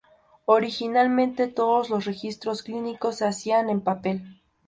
Originalmente todos los registros clínicos se hacían en papel.